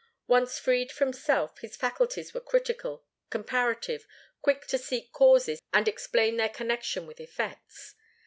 Once freed from self, his faculties were critical, comparative, quick to seek causes and explain their connection with effects.